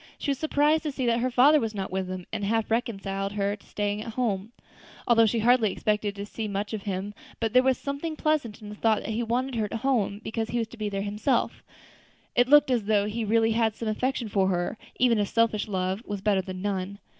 She was surprised to see that her father was not with them, and it half reconciled her to staying at home, although she hardly expected to see much of him; but there was something pleasant in the thought that he wanted her at home because he was to be there himself; it looked as though he really had some affection for her, and even a selfish love was better than none.